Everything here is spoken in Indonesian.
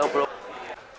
gak tau bro